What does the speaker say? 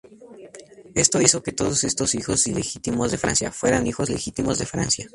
Esto hizo que todos estos hijos ilegítimos de Francia, fueran hijos legítimos de Francia.